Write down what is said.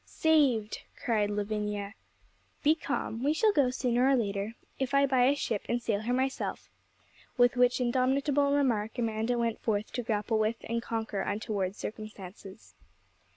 'Saved!' cried Lavinia. 'Be calm: we shall go, sooner or later, if I buy a ship and sail her myself;' with which indomitable remark Amanda went forth to grapple with and conquer untoward circumstances.